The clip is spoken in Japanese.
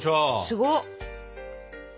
すごっ！